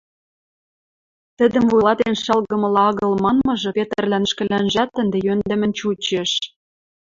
тӹдӹм вуйлатен шалгымыла агыл» манмыжы Петрлӓн ӹшкӹлӓнжӓт ӹнде йӧндӹмӹн чучеш.